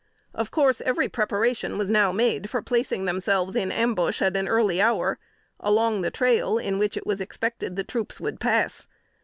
Of course every preparation was now made for placing themselves in ambush at an early hour, along the trail in which it was expected the troops would pass.